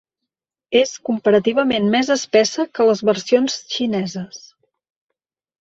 És comparativament més espessa que les versions xineses.